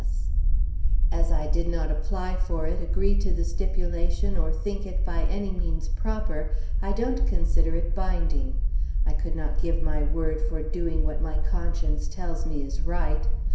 S." As I did not apply for it, agree to the stipulation, or think it by any means proper, I don't consider it binding. I could not give my word for doing what my conscience tells me is Right.